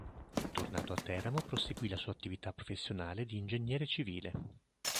Tornato a Teramo proseguì la sua attività professionale di ingegnere civile.